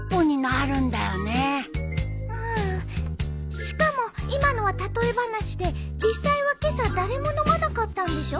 しかも今のは例え話で実際は今朝誰も飲まなかったんでしょ？